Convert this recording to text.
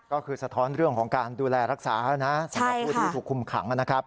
ก็คือสะท้อนเรื่องของการดูแลรักษานะสำหรับผู้ที่ถูกคุมขังนะครับ